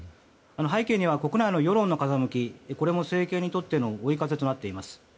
背景には国内の世論の風向きこれも政権にとっての追い風になっています。